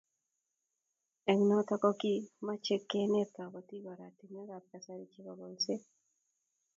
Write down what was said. Eng' notok ko kimache kenet kabatik aratinwek ab kasari chebo kolset